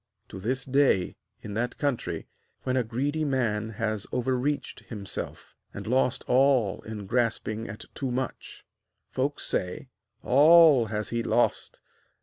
To this day, in that country, when a greedy man has overreached himself, and lost all in grasping at too much, folks say: 'All has he lost!